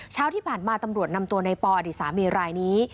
เช้าที่ผ่านมาตำรวจนำตัวในปออดีตสามีรายนี้